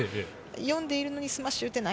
読んでいるのにスマッシュを打てない。